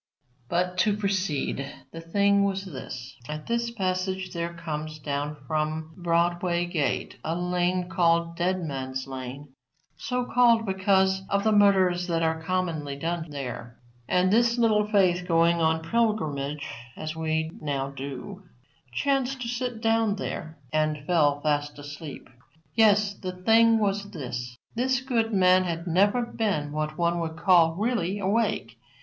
But, to proceed, the thing was this. At this passage there comes down from Broadway gate a lane called Dead Man's lane, so called because of the murders that are commonly done there. And this Little Faith going on pilgrimage, as we now do, chanced to sit down there and fell fast asleep. Yes; the thing was this: This good man had never been what one would call really awake.